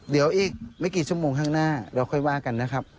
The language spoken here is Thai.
เดี๋ยวอีกไม่กี่ชั่วโมงข้างหน้าเราค่อยว่ากันนะครับ